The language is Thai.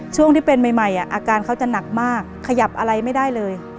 ช่วงที่เป็นใหม่อาการเขาจะหนักมากขยับอะไรไม่ได้เลย